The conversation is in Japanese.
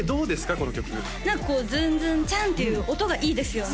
この曲何かこうズンズンチャンっていう音がいいですよね